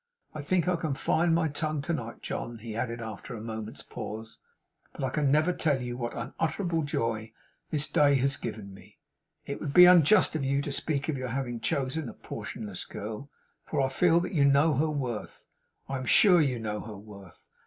I think I can find my tongue tonight, John,' he added, after a moment's pause. 'But I never can tell you what unutterable joy this day has given me. It would be unjust to you to speak of your having chosen a portionless girl, for I feel that you know her worth; I am sure you know her worth.